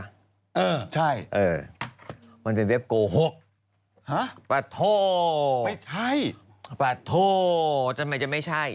เออใช่เออมันเป็นเว็บโกหกฮะปะโทไม่ใช่ปะโททำไมจะไม่ใช่